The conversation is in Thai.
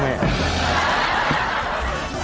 แหม่